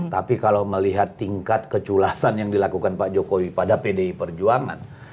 tapi kalau melihat tingkat keculasan yang dilakukan pak jokowi pada pdi perjuangan